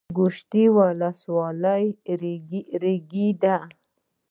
ګوشتې ولسوالۍ ریګي ده؟